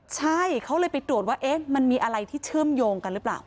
ใช่เขาเลยไปตรวจว่ามันมีอะไรที่เชื่อมโยงกันหรือเปล่า